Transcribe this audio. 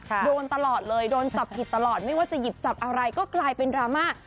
โดนตลอดเลยโดนจับผิดตลอดไม่ว่าจะหยิบจับอะไรก็กลายเป็นดราม่า